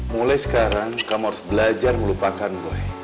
mulai sekarang kamu harus belajar melupakan gue